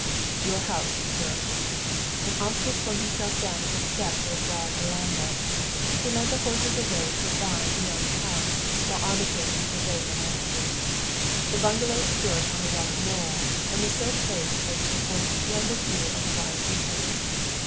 "Your house, sir," and Oscar swung himself down at the steps of a broad veranda. He led the horses away to a barn beyond the house, while Armitage surveyed the landscape. The bungalow stood on a rough knoll, and was so placed as to afford a splendid view of a wide region.